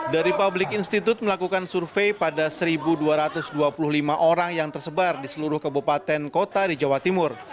dari public institute melakukan survei pada satu dua ratus dua puluh lima orang yang tersebar di seluruh kabupaten kota di jawa timur